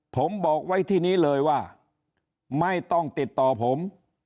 ผมบอกไว้ที่นี้เลยว่าไม่ต้องติดต่อผม